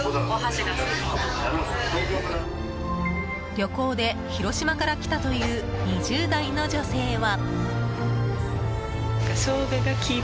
旅行で広島から来たという２０代の女性は。